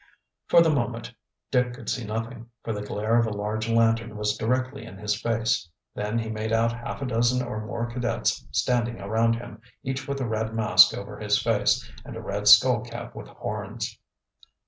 For the moment Dick could see nothing, for the glare of a large lantern was directly in his face. Then he made out half a dozen or more cadets standing around him, each with a red mask over his face, and a red skull cap with horns.